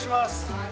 はい。